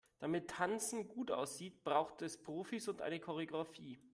Damit Tanzen gut aussieht, braucht es Profis und eine Choreografie.